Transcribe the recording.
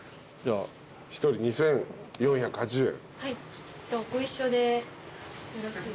１人２，４８０円。